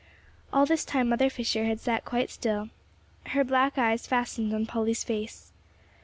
All this time Mother Fisher had sat quite still, her black eyes fastened on Polly's face.